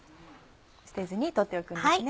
捨てずに取っておくんですね。